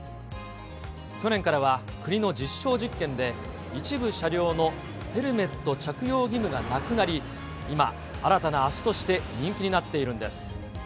去年からは国の実証実験で、一部車両のヘルメット着用義務がなくなり、今、新たな足として人気になっているんです。